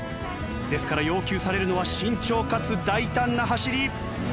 ですから要求されるのは慎重かつ大胆な走り。